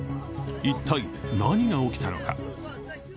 一体、何が起きたのか。